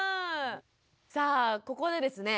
さあここでですね